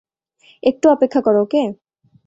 একটু অপেক্ষা কর, ওকে?